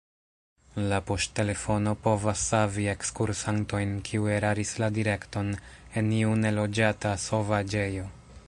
La poŝtelefono povas savi ekskursantojn, kiuj eraris la direkton en iu neloĝata sovaĝejo.